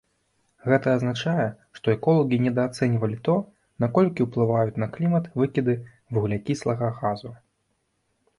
Гэта азначае, што эколагі недаацэньвалі то, наколькі ўплываюць на клімат выкіды вуглякіслага газу.